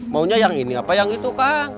maunya yang ini apa yang itu kah